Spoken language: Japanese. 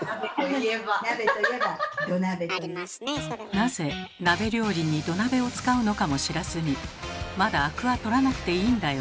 なぜ鍋料理に土鍋を使うのかも知らずに「まだあくは取らなくていいんだよ」